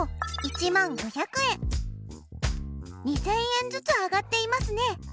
２０００円ずつ上がっていますね。